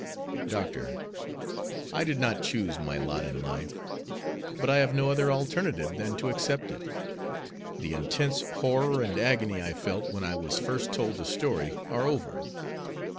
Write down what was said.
Doctor, I did not choose my lot in life, but I have no other alternative than to accept it. The intense horror and agony I felt when I was first told the story are over.